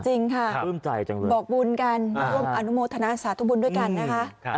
จริงค่ะคุ้มใจจังเลยบอกบุญกันอันโมทนาสาธุบุญด้วยกันนะคะครับ